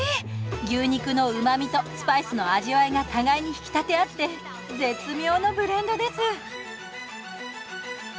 牛肉のうまみとスパイスの味わいが互いに引き立て合って絶妙のブレンドです。